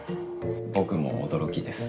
僕も驚きです。